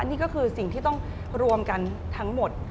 นี่ก็คือสิ่งที่ต้องรวมกันทั้งหมด